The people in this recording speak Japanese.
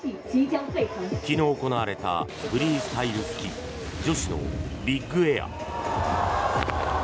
昨日行われたフリースタイルスキー女子のビッグエア。